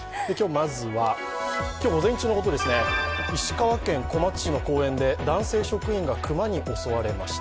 今日午前中のことです、石川県小松市の公園で男性職員が熊に襲われました。